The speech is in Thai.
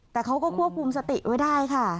แต่เขาก็ควบคุมสติไว้ได้ค่ะ